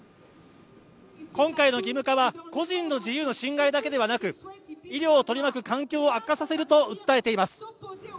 今回の義務化は個人の自由の侵害だけではなく医療を取り巻く環境を悪化させると訴えています